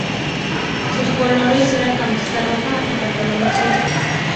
Sus colores eran camiseta roja y pantalón azul.